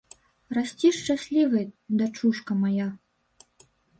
Расці шчаслівай, дачушка мая.